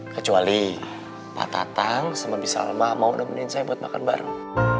kecuali pak tatang sama bisa lama mau nemenin saya buat makan bareng